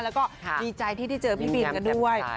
แล้วก็ดีใจที่ได้เจอพี่บินกันด้วย